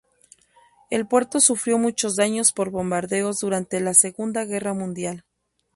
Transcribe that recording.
El puerto sufrió muchos daños por bombardeos durante la Segunda Guerra Mundial.